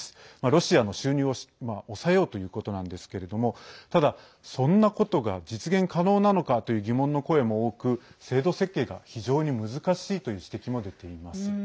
ロシアの収入を抑えようということなんですけれどもただ、そんなことが実現可能なのかという疑問の声も多く制度設計が非常に難しいという指摘も出ています。